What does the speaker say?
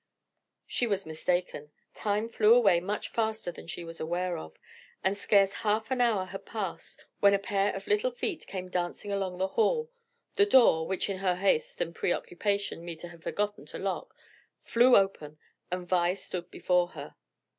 She was mistaken. Time flew away much faster than she was aware of, and scarce half an hour had passed when a pair of little feet came dancing along the hall, the door which in her haste and pre occupation Meta had forgotten to lock flew open, and Vi stood before her.